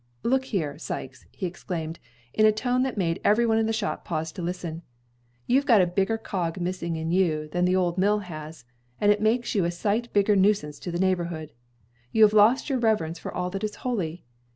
"Look here, Sikes," he exclaimed, in a tone that made every one in the shop pause to listen, "you've got a bigger cog missing in you than the old mill has, and it makes you a sight bigger nuisance to the neighborhood. You have lost your reverence for all that is holy.